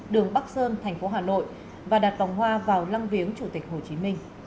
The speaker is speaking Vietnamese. đường bắc sơn tp hà nội và đặt vòng hoa vào lăng viếng chủ tịch hồ chí minh